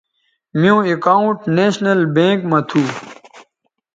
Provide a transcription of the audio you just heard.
میوں اکاؤنٹ نیشنل بینک مہ تھو